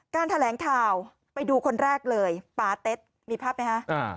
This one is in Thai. แถลงข่าวไปดูคนแรกเลยปาเต็ดมีภาพไหมคะ